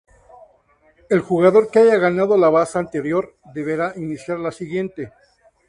El jugador que haya ganado la baza anterior, deberá iniciar la siguiente.